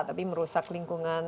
tapi merusak lingkungan